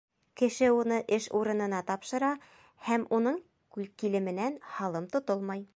Кеше уны эш урынына тапшыра, һәм уның килеменән һалым тотолмай.